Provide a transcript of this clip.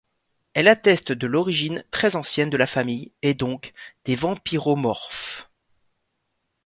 Elle atteste de l'origine très ancienne de la famille, et donc des vampyromorphes.